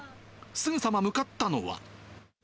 すぐさま向かったのは。